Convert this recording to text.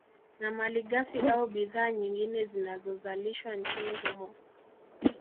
Na malighafi au bidhaa nyingine zinazozalishwa nchini humo